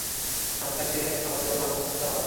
আমি তাকে আমার দলে আমন্ত্রণ জানালাম।